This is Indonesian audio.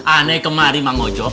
aneh kemari mang ojo